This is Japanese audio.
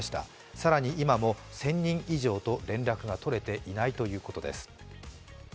更に今も１０００人以上と連絡が取れていないということです。